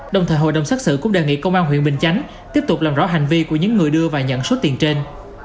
đồng thời hội đồng xét xử cũng đề nghị công an huyện bình chánh tiếp tục làm rõ hành vi của những người đưa và nhận số tiền trên